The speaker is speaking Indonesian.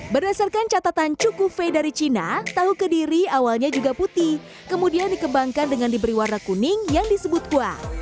berdasarkan catatan chukufe dari cina tahu kediri awalnya juga putih kemudian dikembangkan dengan diberi warna kuning yang disebut kuah